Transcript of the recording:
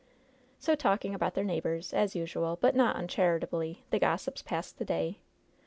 So, talking about their neighbors, as usual, but not uncharitably, the gossips passed the day.